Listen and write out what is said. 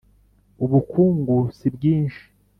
ubukungu si bwinshi